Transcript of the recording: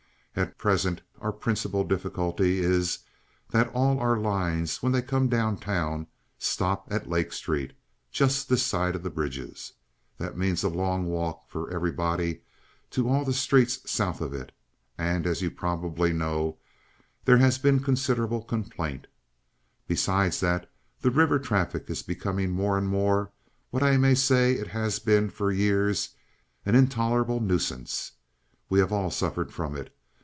At present our principal difficulty is that all our lines, when they come down town, stop at Lake Street—just this side of the bridges. That means a long walk for everybody to all the streets south of it, and, as you probably know, there has been considerable complaint. Besides that, this river traffic is becoming more and more what I may say it has been for years—an intolerable nuisance. We have all suffered from it.